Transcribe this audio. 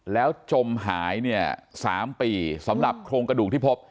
แล้วจมหายเนี่ย๓ปีสำหรับโครงกระดูกที่พบ